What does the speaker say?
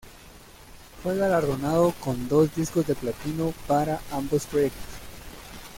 Fue galardonado con dos discos de platino para ambos proyectos.